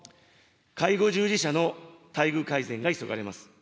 介護従事者の待遇改善が急がれます。